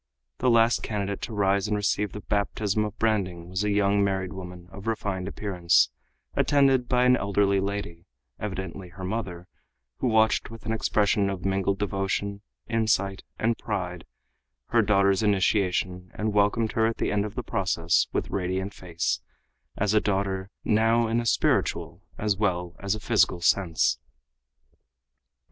The last candidate to rise and receive the baptism of branding was a young married woman of refined appearance, attended by an elderly lady, evidently her mother, who watched with an expression of mingled devotion, insight and pride her daughter's initiation and welcomed her at the end of the process with radiant face, as a daughter, now, in a spiritual as well as a physical sense.